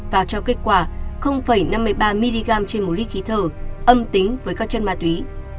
và cho kết quả năm mươi ba mg trên một lít khí thở âm tính với các chân ma túy